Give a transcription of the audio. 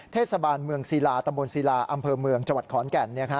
เทศบาลเมืองศิลาตำบลศิลาอำเภอเมืองจังหวัดขอนแก่น